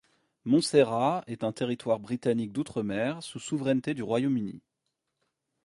Montserrat est un territoire britannique d'outre-mer sous souveraineté du Royaume-Uni.